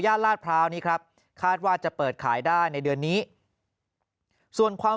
ลาดพร้าวนี้ครับคาดว่าจะเปิดขายได้ในเดือนนี้ส่วนความ